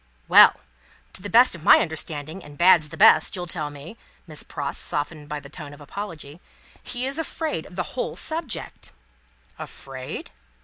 "Well! To the best of my understanding, and bad's the best, you'll tell me," said Miss Pross, softened by the tone of the apology, "he is afraid of the whole subject." "Afraid?"